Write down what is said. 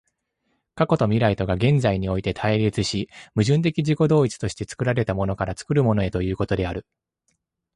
過去と未来とが現在において対立し、矛盾的自己同一として作られたものから作るものへということである。